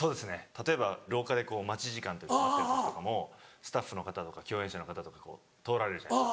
例えば廊下で待ち時間待ってる時とかもスタッフの方とか共演者の方とか通られるじゃないですか。